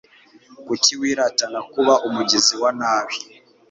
Kuki wiratana kuba umugizi wa nabi